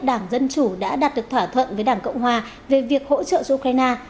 đảng dân chủ đã đặt được thỏa thuận với đảng cộng hòa về việc hỗ trợ cho ukraine